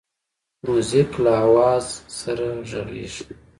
موزیک له آواز سره غږیږي.